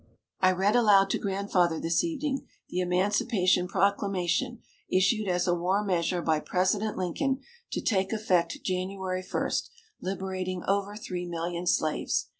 I read aloud to Grandfather this evening the Emancipation Proclamation issued as a war measure by President Lincoln, to take effect January 1, liberating over three million slaves.